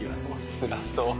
つらそう。